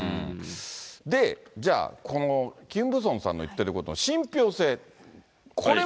で、じゃあ、このキム・ブソンさんの言ってることの信ぴょう性。